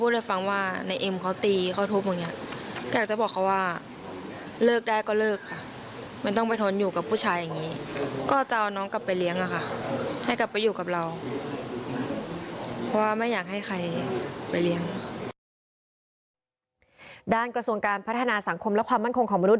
กระทรวงการพัฒนาสังคมและความมั่นคงของมนุษ